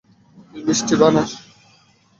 তুই মিষ্টি বানাস?